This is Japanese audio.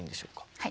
はい。